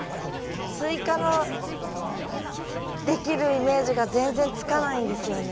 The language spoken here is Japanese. スイカのできるイメージが全然つかないんですよね。